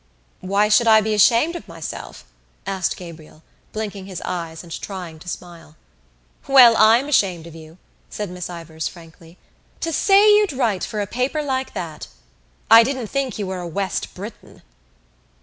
"Why should I be ashamed of myself?" asked Gabriel, blinking his eyes and trying to smile. "Well, I'm ashamed of you," said Miss Ivors frankly. "To say you'd write for a paper like that. I didn't think you were a West Briton."